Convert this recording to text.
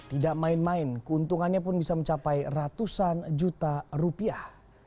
tidak main main keuntungannya pun bisa mencapai ratusan juta rupiah